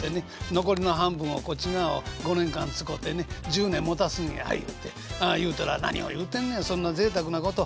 残りの半分をこっち側を５年間使てね１０年もたすんや言うて言うたら「何を言うてんねんそんなぜいたくなこと。